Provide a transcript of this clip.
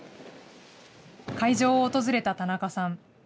会場を訪れた田中さん。